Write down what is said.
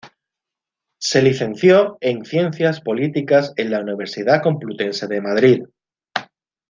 Se licenció en Ciencias Políticas en la Universidad Complutense de Madrid.